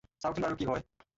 চাওঁচোন বাৰু কি হয়।